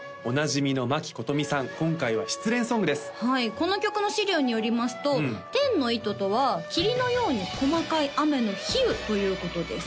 この曲の資料によりますと「天の糸」とは霧のように細かい雨の比喩ということです